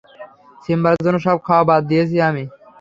সিম্বার জন্য সব খাওয়া বাদ দিয়েছি আমি।